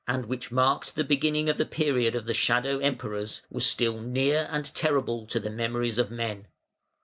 and which marked the beginning of the period of the "Shadow Emperors" was still near and terrible to the memories of men.